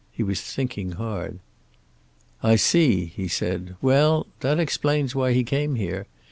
He was thinking hard. "I see," he said. "Well, that explains why he came here.